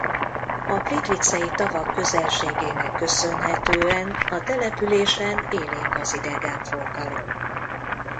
A Plitvicei-tavak közelségének köszönhetően a településen élénk az idegenforgalom.